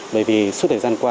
bởi vì suốt thời gian qua